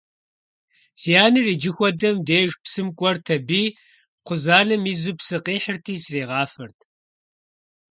Си анэр иджы хуэдэм деж псым кӀуэрт аби, кхъузанэм изу псы къихьрти сригъафэрт.